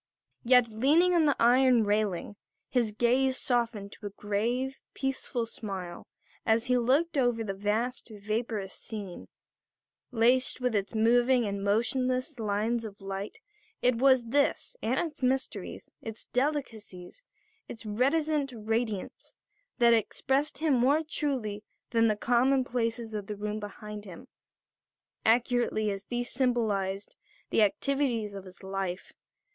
Yet, leaning on the iron railing, his gaze softening to a grave, peaceful smile as he looked over the vast, vaporous scene, laced with its moving and motionless lines of light, it was this, and its mysteries, its delicacies, its reticent radiance, that expressed him more truly than the commonplaces of the room behind him, accurately as these symbolized the activities of his life.